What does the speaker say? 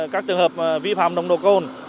các trường hợp vi phạm đồng độ côn